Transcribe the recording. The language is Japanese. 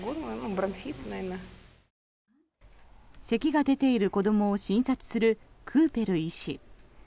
せきが出ている子どもを診察するクーペル医師。